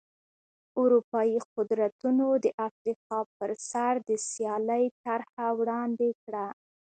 اروپايي قدرتونو د افریقا پر سر د سیالۍ طرحه وړاندې کړه.